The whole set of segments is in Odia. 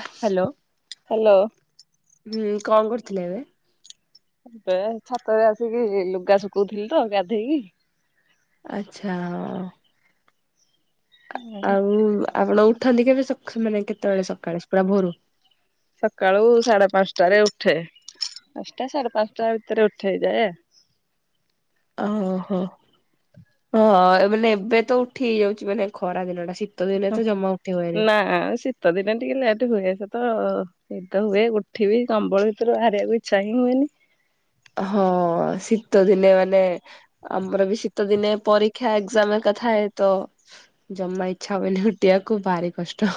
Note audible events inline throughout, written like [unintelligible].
ଆ ହାଲୋ। ହାଲୋ। ହୁଁ କଣ କରୁଥିଲେ ଏବେ? ଏବେ ଛାତରେ ଆସିକି ଲୁଗା ଶୁଖୋଉଥିଲି ତ ଗାଧେଇକି। ଆଛା ହଁ। ଆଉ ଆପଣ ଉଠନ୍ତି କେବେ ସଖ୍ ମାନେ କେତୋବେଳ ସକାଳେ ପୁରା ଭୋରୁ? ସକାଳୁ ସାଢେ ପାଞ୍ଚଟାରେ ଉଠେ। ପାଞ୍ଚଟା ସାଢେ ପାଞ୍ଚଟା ଭିତରେ ଉଠିଯାଏ। ଓହୋ ହ ମାନେ ଏବେ ତ ଉଠି ହେଇଯାଉଚି ମାନେ ଖରା ଦିନ ଟା। ଶୀତ ଦିନେ ତ ଜମା ଉଠି ହୁଏନି। ହଁ ନା ଶୀତ ଦିନେ ଟିକେ ଲେଟ ହୁଏ ସ ତ ନିଦ ହୁଏ ଉୋଠିବିି କମ୍ବଳ ଭିତରୁ ବାହାରିବାକୁ ଇଚ୍ଛା ହିଁ ହୁଏନି। ହଁ ଶୀତ ଦିନେ ମାନେ ଆମର ବି ଶୀତ ଦିନେ ପରୀକ୍ଷା ଏଗ୍ଜାମେ ମ୍ ଥାଏ ତ ଜମା ଇଚ୍ଛା ହୁଏନି ଉୁଠିବାକୁ ଭାରି କଷ୍ଟ।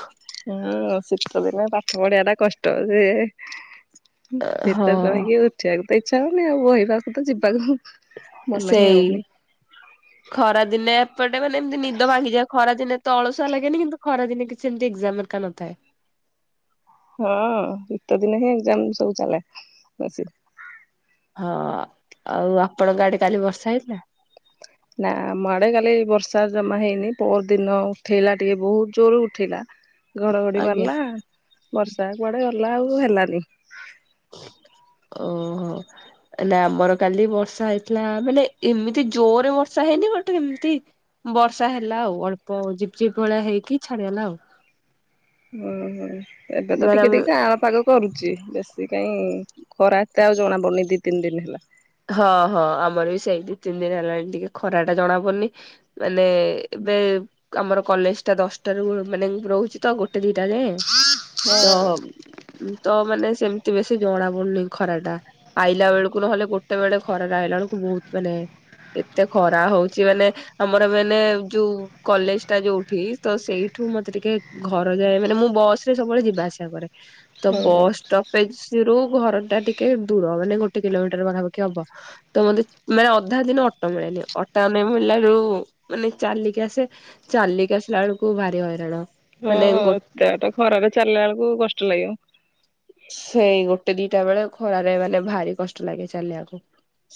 ହଁ ଶୀତ ଦିନେ ପାଠ ପଢିବା ଟା କଷ୍ଟ ଯେ ଭିତରେ ରହିକି ଉଠିବାକୁ ତ ଇଚ୍ଛା ହଉନି ଆଉ ବହି ପାଖକୁ ତ ଯିବାକୁ ମନ ହିଁ ହଉନି। ଖରାଦିନେ ଏପଟେ ମାନେ ଏମିତି ନିଦ ଭାଙ୍ଗିଯାଏ ଖରାଦିନେ ତ ଅଳସୁଆ ଲାଗେନି କିନ୍ତୁ ଖରା ଦିନେ କିଛି ଏମିତି ଏଗ୍ଜାମ ହେରିକା ନଥାଏ। ହଁ ଶୀତ ଦିନ ହିଁ ଏଗ୍ଜାମ ସବୁ ଚାଲେ ବେଶୀ। ହଁ ଆଉ ଆପଣଙ୍କ ଆଡେ କାଲି ବର୍ଷା ହେଇଥିଲା? ନା ଆମ ଆଡେ କାଲି ବର୍ଷା ଜମା ହେଇନି ପଅର ଦିନ ଉଠେଇଲା ଟିକେ ବହୁତ ଜୋର ଉଠେଇଲା। ଘଡଘଡି ଆଜ୍ଞା। ମାରିଲା ବର୍ଷା କୁଆଡେ ଗଲା ଆଉ ହେଲାନି। ଓହୋ ନା ଆମର କାଲି ବର୍ଷା ହେଇଥିଲା ମାନେ ଏମିତି ଜୋରରେ ବର୍ଷା ହେଇନି ଗୋଟେ ଏମିତି ବର୍ଷା ହେଲା ଆଉ ଅଳ୍ପ ଝିପ୍ ଝିପ୍ ଭଳିଆ ହେଇକି ଛାଡିଗଲା ଆଉ। ହୁଁ ହୁଁ ଏବେ ତ ଦ୍ଵାରା ଟିକେ ଟିକେ ମୁଁ କାଁଆଳ ପାଗ କରୁଚି ବେଶୀ କାଇଁ ଖରା ଏତେ ଆଉ ଜଣା ପଡୁନି ଦି ତିନି ଦିନ ହେଲା। ହଁ ହଁ ଆମର ବି ସେଇ ଦି ତିନି ଦିନ ହେଲାଣି ଟିକେ ଖରା ଟା ଜଣା ପଡୁନି ମାନେ ଏବେ ଆମର କଲେଜ ଟା ଦଶଟା ରୁ ମାନେ ରହୁଛି ତ ଗୋଟେ ଦିଟା ଜାଙ୍କେ। ହଁ ତ ତ ମାନେ ସେ ସେମିତି ବେଶୀ ଜଣା ପଡୁନି ଖରା ଟା ଆଇଲା ବେଳକୁ ନହେଲେ ଗୋଟେ କେତେବେଳେ ଖରାରେ ଆଇଲା ବେଳକୁ ବହୁତ ମାନେ ଏତେ ଖରା ହଉଛି ମାନେ ଆମର ମାନେ ଯୋଉଁ କଲେଜ ଟା ଯୋଉଁଠି ତ ସେଇଠୁ ତୁ ମତେ ଟିକେ ଘର ଯାଏ ମାନେ ମୁଁ ବସ ରେ ସବୁବେଳେ ଯିବା ଆସିବା କରେ। ତ ହଁ ବସ୍ ଷ୍ଟପେଜ ରୁ ଘର ଟା ଟିକେ ଦୂର ମାନେ ଗୋଟେ କିଲୋମିଟର ପାଖାପାଖି। ପାଖି ହବ ତ ମୋତେ ମାନେ ଅଧା ଦିନ ଅଟୋ ମିଳେନି ଅଟୋ ମିଳିଲାରୁ ମାନେ ଚାଲି କି ଆସେ ଚାଲିକି ଆସିଲା ବେଳକୁ ଭାରି ହଇରାଣ। ହଁ ମାନେ ଗୋ ଏତେ ବାଟ ଖରା ରେ ଚାଲିଲା ବେଳକୁ କଷ୍ଟ ଲାଗିବ। ସେଇ ଗୋଟେ ଦିଟା ବେଳେ ଖରାରେ ଗଲେ ଭାରି କଷ୍ଟ ଲାଗେ ଚାଲିଆକୁ।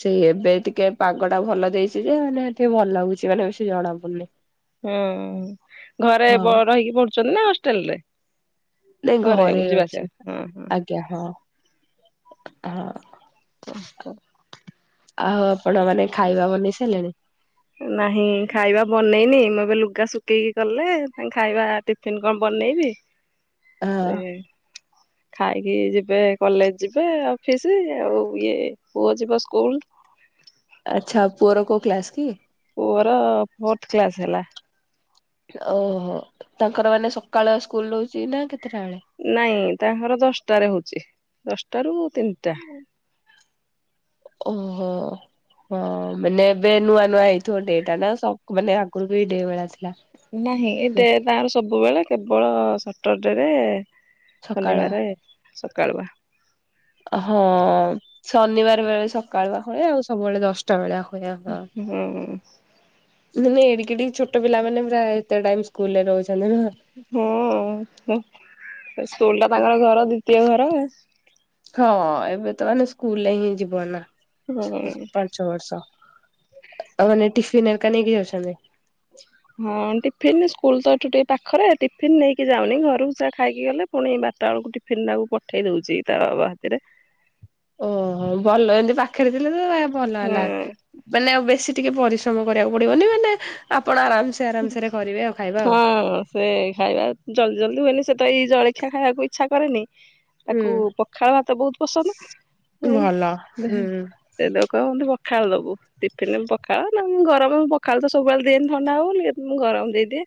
ସେଇ ଏବେ ଟିକେ ପାଗ ଟା ଭଲ ଦେଇଛି ଯେ ହେଲେ ଟିକେ ଭଲ ଲାଗୁଛି ମାନେ ବେସି ଜଣା ପଡୁନି। ହୁଁ ଘରେ ହଁ ରହିକି ପଢୁଛନ୍ତି ନା ହଷ୍ଟେଲ ରେ। ନାଇଁ ଘରେ ଯିବା ଆସିବା ଅଛି ହଁ ହଁ। ଆଜ୍ଞା ହଁ ହଁ। [unintelligible] ଆଉ ଆପଣ ମାନେ ଖାଇବା ବନେଇ ସାଇଲେଣି। ନାହିଁ ଖାଇବା ବନେଇନି ମୁଁ ଏବେ। ଲୁଗା ଶୁଖେଇକି ଗଲେ ତାଙ୍କ ଖାଇବା ଟିଫିନ କଣ ବନେଇବି। ହଁ ଏ। ଖାଇକି ଯିବେ କଲେଜ ଯିବେ ଅଫିସ ଆଉ ଇଏ ପୁଅ ଯିବ ସ୍କୁଲ। ହ ଆଚ୍ଛା ପୁଅର କୋଉଁ କ୍ଲାସ କି। ପୁଅର ଫୋର୍ଥ କ୍ଲାସ ହେଲା। ଓହୋ ତାଙ୍କର ମାନେ ସକାଳ ସ୍କୁଲ ରହୁଛି ନା କେତେ। ନାଇଁ ତାଙ୍କର ଦଶଟାରେ ହଉଛି ଦଶ। ଟାରୁ ତିନିଟା। ଓହୋ। ହଁ ମାନେ ଏବେ ନୂଆ ନୂଆ ହେଇଥିବ ଡେ ଟା ନା ସବୁ ମାନେ ଆଗରୁ ବି ଡେ ବେଳା ଥୀ ନାହିଁ ଡେ ତାଙ୍କର ସବୁବେଳେ କେବଳ ସଟରଡେରେ। ସକାଳ ଶନିବାର ସକାଳୁଆ। ହଁ ଶନିବାର ବେଳେ ସକାଳୁଆ ହୁଏ ଆଉ ସବୁବେଳେ ଦଶଟା ବେଳା। ହୁଁ। ମାନେ ଏଡିିକି ଏଡ଼ିକି ଛୋଟ ପିଲା ମାନେ ପୁରା ଏତେ ଟାଇମ ସ୍କୁଲ ରେ ରହୁଛ ହଁ ସ୍କୁଲ ଟା ତାଙ୍କର ଘର ଦ୍ଵିତୀୟ ଘର ଆଉ। ହଁ ଏବେ ତ ମାନେ ସ୍କୁଲରେ ହିଁ ଯିବ ନା ହୁଁ ପାଞ୍ଚ ବର୍ଷ। ଆଉ ମାନେ ଟିଫିନ ଅରିକା ନେଇକି ଯାଉଛନ୍ତି। ହଁ ଟିଫିନ ସ୍କୁଲ ତ ଏଠୁ ଟିକେ ପାଖରେ ଟିଫିନ ନେଇକି ଯାଉନି ଘରକୁ ଯହା ଖାଇକି ଗଲେ ପୁଣି ବାର ବାରଟା ବେଳକୁଟି ଟିଫିନ୍ ଟାକୁ ପଠେଇ ଦଉଛି ତା ବାବା ହାତରେ। ଓହୋ ଭଲ ଏମିତି ପାଖରେ ଥିଲେ ତ ଭଲ ହଁ ହେଲା ମାନେ ବେଶ ବେସି ଟିକେ ପରିଶ୍ରମ କରିବାକୁ ପଡିବନି ମାନେ ଆପଣ ଆରାମ। ହଁ ସେ ଖାଇବା ଜଲଦି ଜଲଦି ହୁଏନି ସେ ତ ଏଇ ଜଳଖିଆ ଖାଇବାକୁ ଇଛା କରେନି। ହୁଁ ତାକୁ ପଖାଳ ଭାତ ବହୁତ ପସନ୍ଦ। ଭଲ ହୁଁ। କହିବ ମତେ ପଖାଳ ଦବୁ ଟିଫିିନ ରେ ପଖାଳ ନଏଲେ ଗରମ ପଖାଳ ତ ସବୁବେଳେ ଦିଏନି ଥଣ୍ଡା ହବ ବୋଲି। କେବେ ମୁ ଗରମ ଦେଇଦିଏ।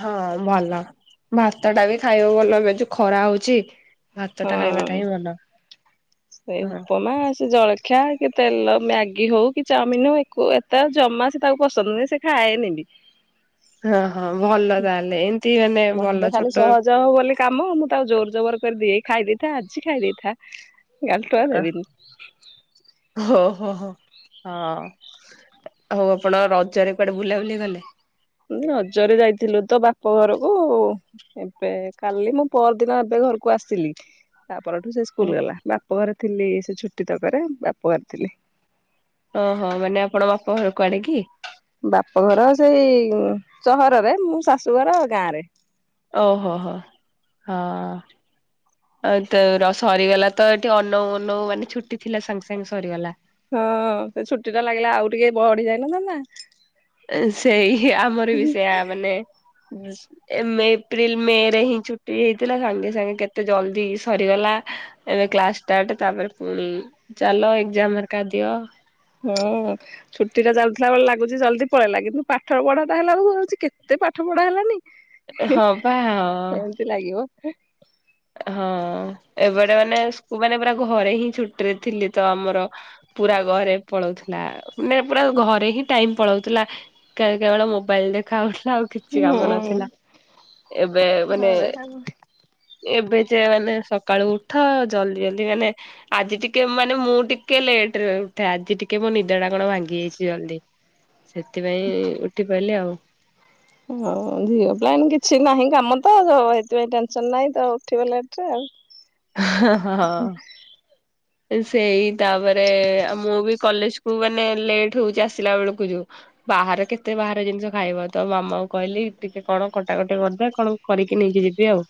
ହଁ ଭଲ ଭତା ଟା ବି ଖାଇବ ଭଲ ଏ ଯୋଉ ଖରା ହଉଛି। ଭାତ ଟା ହଁ ଖାଇବାଟା ହିଁ ଭଲ। ସେଇ ହଁ ଉପମା ସେ ଜଳଖ ଖିଆ କି ତେଲ ମ୍ୟାଗି ହଉ କି ଚାଉମିନ ହଉ ଆକୁ ଏତେ ଜମା ସେ ତାକୁ ପସନ୍ଦ ନୁହଁ ସେ ଖାଏନି ବି। ହଁ ହଁ ଭଲ ତାହେଲେ ଏମିତି ମାନେ [inaudible] ମତେ ଭଲ ଖାଲି ଛୋଟ ସହଜ ହବ ବୋଲି କାମ ମୁଁ ତାଉ ଜୋର ଜବର କରି ଦିଏ ଖାଇ ଦେଇଥା ଆଜି ଖାଇ ଦେଇଥା କାଲି ଠୁ ଆଉ ଦେବିନି। ଓହୋ ହଁ ହଉ ଆପଣ ରଜରେ କୁଆଡେ ବୁଲା ବୁଲି ଗଲେ। ଉଁ ରଜ ରେ ଯାଇଥିଲୁ ତ ବାପ ଘରକୁ ଏବେ କାଲି ନା ପର ଦିନ ଏବେ। ଘରକୁ ଆସିଲି। ତା ପରଠୁ ସେ ଓ ସ୍କୁଲ ଗଲା ବାପ ଘରେ ଥିଲି ସେ ଛୁଟି ତକରେ ବାପ ଘରେ ଥିଲି। ଓହୋ ମାନେ ଆପଣ ବାପା ଘର କୁଆଡେ କି। ବାପ ଘର ସେଇ ସହରରେ ମୁଁ ଶାଶୁଘର ଗାଁ ରେ। ଓହୋ ହୋ ହଁ ଆଉ ତ ସରିଗଲା ତ ଏଠି ଅନଉ ଅନଉ ମାନେ ଛୁଟି ଥିଲା ସାଙ୍ଗେ ସାଙ୍ଗେ ସରିଗଲା। ହଁ ସେ ଛୁଟି ଟା ଲାଗିଲା ଆଉ ଟିକେ ବଢିଯାଇ ନଥାନ୍ତା। ସେଇ ଆମର ବି ସେୟା ମାନେ ଏ ଏପ୍ରିଲ ମେ ରେ ହିଁ ଛୁଟି ହେଇଥିଲା ସାଙ୍ଗେ ସାଙ୍ଗେ କେତେ ଜଲଦି ସରିଗଲା। ଏବେ କ୍ଲାସ୍ ସ୍ଟାର୍ଟ ତାପରେ ପୁଣି ଚାଲ ଏଜାମର କା ଦିଅ। ହଁ ଛୁଟି ଟା ଚାଲୁଥିଲା ବେଳେ ଲାଗୁଛି ଜଲଦି ପଳେଇଲା କିନ୍ତୁ ପାଠ ପଢା ଟା ହେଲା ଶୁଛି କେତେ? ପାଠ ପଢା ହେଲାନି ହଁ ପା ହଁ ଏମିତି ଲାଗିବ। ହଁ ଏବେଟେ ମାନେକୁ ମାନେ ପୁରା ଘରେ ହିଁ ଛୁଟିରେ ଥିଲି ତ ଆମର। ପୁରା ଘରେ ପଳଉଥିଲେ ମାନେ ପୁରା ଘରେ ହିଁ ଟାଇମ ପଳାଉଥିଲା କେବଳ ମୋବାଇଲ ଦେଖାାଉଥିଲା। ଆଉ କିଛି କାମ ନଥିଲା ହୁଁ ଏବେ ମାନେ ଘରେ ଏବେ ଯେ ମାନେ ସକାଳୁ ଉଠ ଜଲ୍ଦି ଜଲ୍ଦି ମାନେ ଆଜି ଟିକେ ମାନେ ମୁଁ ଟିକେ ଲେ ଟେରେ ଉଠେ ଜି ଟିକେ ମୋ ନିଦଡା କଣ ଭାଙ୍ଗି ଯାଇଛି ଜଲ୍ଦି। ସେଥିପାଇଁ ଉଠି ପାରିଲି ଆଉ। ହଉ ଝିଓ ପାଇଁ କିଛି ନାହିଁ କାମ ତ ସେଥିପାଇଁ ଟେନସନ ନାହିଁ ତ ଉଠିବ ଲେଟରେ ଆଉ। ହେ ହେ ହଁ। ସେଇ ତାପରେ ଆଉ ମୁଁ ବି କଲେଜ କୁ ମାନେ ଲେଟ୍ ହଉଛି ଆସିଲା ବେଳକୁ ଯୋଉ। ବାହାର କେତେ ବାହାର ଜିନିଷ ଖାଇବ ତ ମାମାଙ୍କୁ କହିଲି ଟିକେ କଣ କଟାକଟି କରିଦେ କଣ କରିକି ନେଇକି ଯିବି ଆଉ।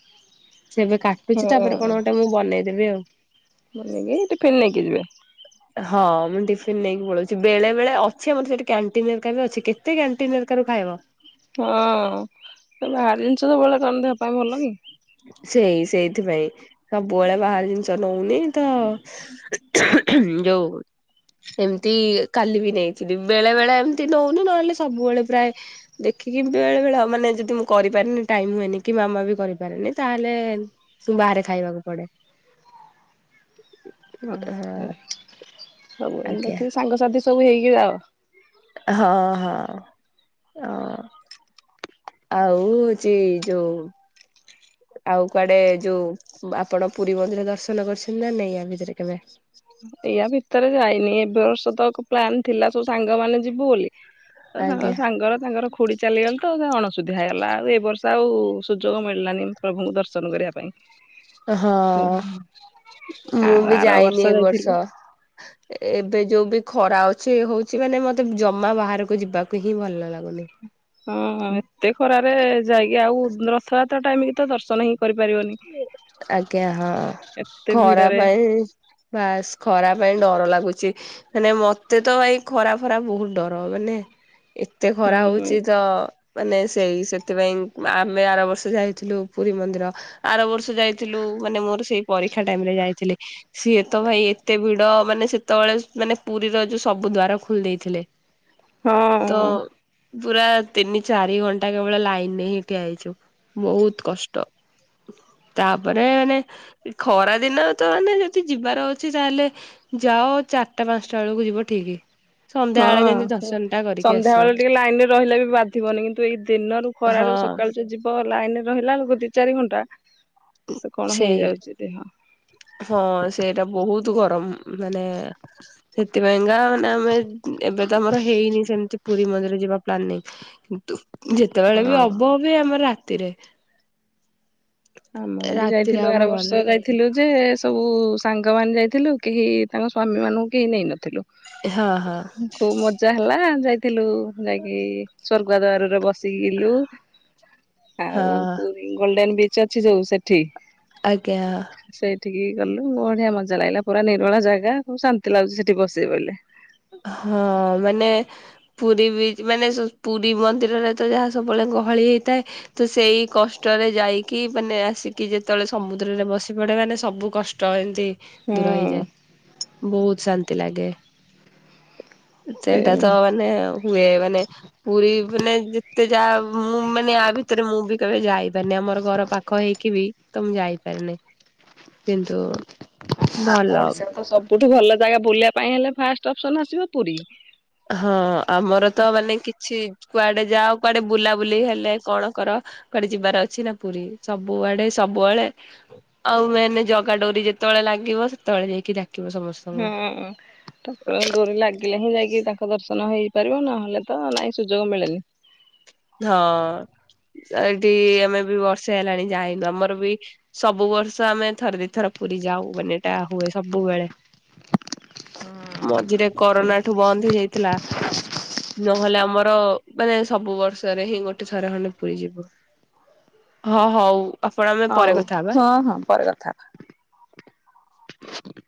ସେବେ ହଁ କାଟୁଛି ତାପରେ କଣ ଗୋଟେ ମୁଁ ବନେଇଦେବି ଆଉ। ମେ ଟିଫିନ୍ ନେଇକି ଯିବି। ହଁ ମୁଁ ଟିଫିନ ନେଇକି ପଳଉଛି ବେଳେ ବେଳେ ଅଛି ଆମର ସେଠି କ୍ୟାଣ୍ଟିନର ଅଛି କେତେ କ୍ୟାଣ୍ଟିନରକାର ଖାଇବ। ହଁ ବାହାରି ଜିନିଷ ସବୁ ବଳେ କଣ ଦେବା ପାଇଁ ଭଲକି? ସେଇ ସେଇଥିପାଇଁ ସବୁବେଳେ ବାହାର ଜିନିଷ ନଉନି ତ ଯୋଉ। ଏମିତି କାଲି ବି ନେଇଥିଲି ବେଳେ ବେଳେ ଏମିତି ନଉନି ନହେଲେ ସବୁବେଳେ ପ୍ରାୟ ଦେଖି। ବେଳେବେଳେ ମାନେ ଯଦି ମୁଁ କରିପାରିନି ଟାଇମ ହୁଏନି କି। କି ମାମା ବି କରିପାରେନି ତାହଲେ ବାହାରେ ଖାଇବାକୁ ପଡ଼େ। ହଁ ଆଜ୍ଞା ଦେଖିକି ସାଙ୍ଗସାଥି ସବୁ ହେଇକି ଯାଅ। ହଁ ହଁ ହ ଆଉ ହୋଉଚି ଯୋଉ। ଆଉ କୁଆଡେ ଯୋଉ ଆପଣ ପୁରୀ ମନ୍ଦିର ଦର୍ଶନ କରିଛନ୍ତି ନା ନାଇ ଆୟ ଭିତରେ କେବେ? ଏୟା ଭିତରେ ଯାଇନି ଏବେ ବର୍ଷ ତ ପ୍ଲାନ୍ ଥିଲା ସବୁ ସାଙ୍ଗମାନୋନେ ଯିବୁ ବୋଲି। ତ ଆଜ୍ଞା ସାଙ୍ଗର ତାଙ୍କର ଖୁଡ଼ି ଚାଲିଗଲେ ତ ଅଣସୁବିଧା ହେଇଗଲା ଆଉ ଏର୍ଷ ଆଉ ସୁଯୋଗ ମିଳିଲାନି ପ୍ରଭୁଙ୍କୁ ଦର୍ଶନ କରିବା ପାଇଁ। ହଁ ମୁଁ ଆଉ ବି ଆର ଯାଇନି ଏ ଯାଇଥିଲୁ ବର୍ଷ। [inaudible] ଏବେ ଯୋଉ ବି ଖରା ଅଛି ହଉଛି ମାନେ ମତେ ଜମା ବାହାରକୁ ଯିବାକୁ ହିଁ ଭଲ ଲାଗୁନି। ହଁ ଏତେ ଖରାରେ ଯାଇକି ଆଉ ରଥଯାତ୍ରା ଟାଇମ କି ତ ଦର୍ଶନ ହିଁ। କରିପାରିବନି। ଆଜ୍ଞା ହଁ ଏତେ ଖରା ଭିଡରେ ପାଇଁ। ବାସ୍ ଖରା ପାଇଁ ଡର ଲାଗୁଛି। ହେନେ ମତେ ତ ଏଇ ଖରା ଫରା ବହୁତ ଡର ମାନେ ଏତେ ହୁଁ ଖରା ହଉଛି ତ ମାନେ। ସେଇ ସେଥିପାଇଁ ଆମେ ଆର ବର୍ଷ ଯାଇଥିଲୁ ପୁରୀ ମନ୍ଦିର। ଆର ବର୍ଷ ଯାଇଥିଲୁ ମାନେ ମୋର ସେଇ ପରୀକ୍ଷା ଟାଇମ ରେ ଯାଇଥିଲେି ସିଏ ତ ଭାଇ ଏତେ ଭିଡ ମାନେ ସେତେବେଳେ ମାନେ ପୁରୀର ଯୋଉ ସବୁ ଦ୍ୱାର ଖୋଲି ଦେଇେଇଥିଲେ। ହଁ। ପୁରା ତିନି ଚାରି ଘଣ୍ଟା କେବଳ ଲାଇନରେ ହେଇଠିଆ ହେଇଛୁ ବହୁତ କଷ୍ଟ ହ। ତାପରେ ମାନେ ଖରା ଦିନ ତ ମାନେ ଯଦି ଯିବାର ଅଛି ତାହେଲେ ଯାଅ। ଚାରିଟା ପାଞ୍ଚଟା ବେଳକୁ ଯିବ ଠିକ ସନ୍ଧ୍ୟା ହଁ ବେଳେ ଯେମିତି ଦର୍ଶନ ଟା କରିକି ସନ୍ଧ୍ୟା ଆସିବ ବେଳେ ଟିକେ ଲାଇନ ରେ ରହିଲା ବି ବାଧିବନି କିନ୍ତୁ ଏଇ ଦିନରୁ ହଁ ଖରାରୁ ସକାଳୁ ଯୋ ଯିବ ଲାଇନରେ ରହିଲା ଲଳୋକ ଦି ଚାରି ଘଣ୍ଟା ସେ କଣ ସେଇ ହେଇଯାଉଛି ଦେହ। ହଁ ସେଇଟା ବହୁତ ଗରମ ମାନେ ସେଥିପାଇଁକା ମାନେ ଆମେ ଏବେ ତ ଆମର ହେଇନି ସେମିତି ପୁରୀ ମନ୍ଦିର ପ୍ାନି କିନ୍ତୁ ଯେତେବେଳେ ବି ହଁ। ଅବ ବି ଆମର ତିରେ ଆମ ଏ ବି ଯାଇଥିଲୁ ଆର ବର୍ଷ ଯାଇଥିଲୁ ଯେ ସବୁ ସାଙ୍ଗମାନେ ଯାଇଥିଲେୁ କେହି ତାଙ୍କ ସ୍ୱାମୀମାନଙ୍କୁ କେହି ନେଇନଥିଲେ। ହଁ ହଁ। ଥିଲ ଖୁବ ମଜା ହେଲା ଯାଇଥିଲୁ ଯାଇକି। ସଵର୍ଗ ଦଵାରରେ ବସିଲୁ ଆଉ ହଁ ପୁରୀ ଗୋଲଡେନ ବିଚ ଅଛି ଯୋଉ ସେଠି ଆଜ୍ଞା। ସେଇଠିକି ଗଲୁ ବଢିଆ ମଜା ଲାଗିଲା ପୁରା ନିର୍ମଳା ଜାଗା ଶାନ୍ତି ଲାଗୁଛି ସେଠି ବସେଇ ବୋଇଲେ ହଁ ମାନେ ପୁରୀ ବି ମାନେ ପୁରୀ ମନ୍ଦିରରେ ତ ଯାହା ସବୁବେଳେ। ଗହଳି ହେଇଥାଏ ତ ସେଇ କଷ୍ଟରେ ଯାଇକି ମାନେ ଆସିକି ଯେତେବେଳେ ସମୁଦ୍ରରେ ବସପଡେ। ଗଟେ ମାନେ ସବୁ କଷ୍ଟ ଏମତି ଦୂର ହୁଁ ହେଇଯାଏ ବହୁତ ଶାନ୍ତି ଲାଗେ। ସେ ସେଇଟା ତ ମାନେ ହୁଏ ମାନେ ପୁରୀ ମାନେ ଯେତେ ଯା ମୁଁ ମାନେ ଆ ଭିତରେ ମୁଁ ବି। କେବେ ଯାଇପାରନି ଆମର ଘର ପାଖ ହେଇକି ବି ତ ମୁଁ ଯାଇପାରନି କିନ୍ତୁ। ଆମ ଭଲ ଓଡିଶା ତ ସବୁଠୁ ଭଲ ଜାଗା ବୁଲିବା ପାଇଁ ହେଲେ ଫାଷ୍ଟ ଅପସନ ଆସିବ ପୁରୀ। ହଁ ଆମର ତ ମାନେ କିଛି କୁଆଡେ ଯାଅ କୁଆଡେ ବୁଲାବୁଲି ହେଲେ କଣ କର। କଆଟେ ଯିବାର ଅଛି ନା ପୁରୀ ସବୁଆଡେ ସବୁଆଳେେ ଆଉ ମାନେ ଜଗା ଡୋରି ଯେତେ। ସେତେବେଳେ ଲାଗିବ ସେତେଳେ ଯକି ଡାକି ହଁ ତାକୁ ଡୋରି ଲାଗିଲେ ହିଁ ଯାଇକି ତାକୁ ତା ଦର୍ଶନ ହେଇପାରିବ ନହେଲେ ତ ନାଇଁ ସୁଯୋଗ ମିଳେନି। ହଁ ସେଠି ଆମେ ବି ବ ସେ ହେଲାଣି ଯାାଇନୁ ଆମର ବି ସବୁ ବର୍ଷ ଆମେ ଥରେ ଦିଥର ପୁରୀ ଯାଉ ମାନେ ଏଟା ହୁଏ ସବୁବେଳେ। ହଁ। ଝିରେ ଆଝିରେ କରୋନା ଠୁ ବନ୍ଦ ହେଇଯାଇଥିଲା ନହେଲେ ଆମର ମାନେ ସବୁ ବର୍ଷ। ରେ ହିଁ ଗୋଟେ ଥରେ ଖଣ୍ଡେ ପୁରୀ ଯିବ ହଁ ହଉ। ଆପଣ ଆମେ ପରେ ହଉ କଥା ହବା। ହଁ ହଁ ପରେ କଥା ‌।